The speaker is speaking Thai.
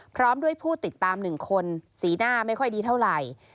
พร้อมด้วยผู้ติดตาม๑คนสีหน้าไม่ค่อยดีเท่าไหร่